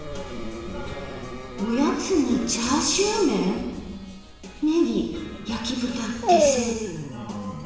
おやつに「チャーシューメン」⁉「ねぎやき豚手製」。